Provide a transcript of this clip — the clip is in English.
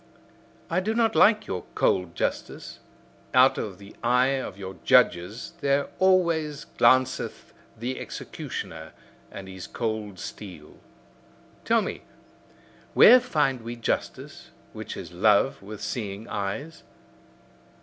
I do not like your cold justice; out of the eye of your judges there always glanceth the executioner and his cold steel. Tell me: where find we justice, which is love with seeing eyes?